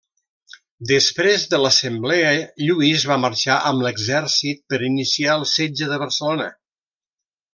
Després de l'assemblea Lluís va marxar amb l'exèrcit per iniciar el setge de Barcelona.